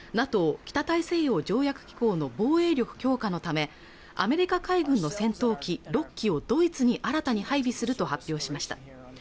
ＮＡＴＯ＝北大西洋条約機構の防衛力強化のためアメリカ海軍の戦闘機６機をドイツに新たに配備すると発表しました